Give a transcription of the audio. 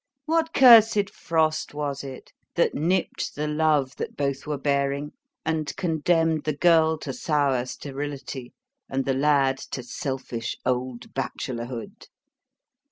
What cursed frost was it that nipped the love that both were bearing, and condemned the girl to sour sterility, and the lad to selfish old bachelorhood?